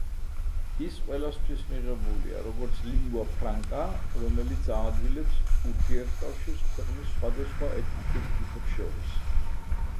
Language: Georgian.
ის ყველასთვის მიღებულია, როგორც ლინგვა ფრანკა, რომელიც აადვილებს ურთიერთკავშირს ქვეყნის სხვადასხვა ეთნიკურ ჯგუფებს შორის.